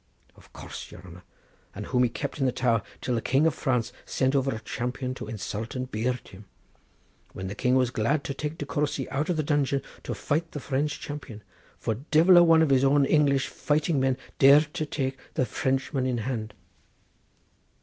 "Of course, your honour, and whom he kept in the Tower till the King of France sent over a champion to insult and beard him, when the king was glad to take De Courcy out of the dungeon to fight the French champion, for divil a one of his own English fighting men dared take the Frenchman in hand."